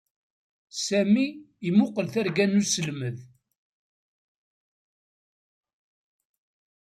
Sami imuqel targa n usselmed.